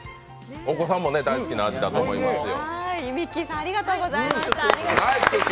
お子さんも大好きな味だと思いますよ。